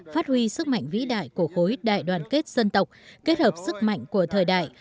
phát huy sức mạnh vĩ đại của khối đại đoàn kết dân tộc kết hợp sức mạnh của thời đại